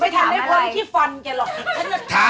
มันก็แบบไหนดองจะถามอะไร